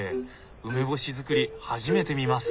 梅干し作り初めて見ます！